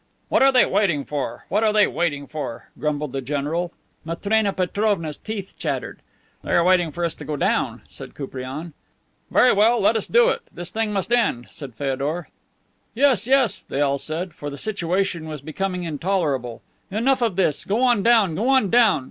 "What are they waiting for? What are they waiting for?" grumbled the general. Matrena Petrovna's teeth chattered. "They are waiting for us to go down," said Koupraine. "Very well, let us do it. This thing must end," said Feodor. "Yes, yes," they all said, for the situation was becoming intolerable; "enough of this. Go on down. Go on down.